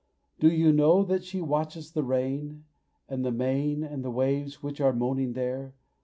Do you know that she watches the rain, and the main, And the waves which are moaning there?